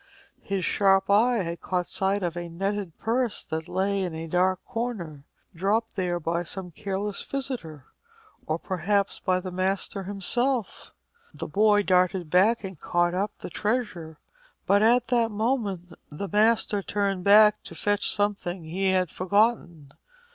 His sharp eye had caught sight of a netted purse which lay in a dark corner, dropped there by some careless visitor, or perhaps by the master himself. The boy darted back and caught up the treasure; but at that moment the master turned back to fetch something he had forgotten.